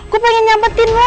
gue pengen nyelametin lo